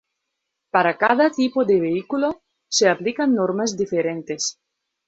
Para cada tipo de vehículo se aplican normas diferentes.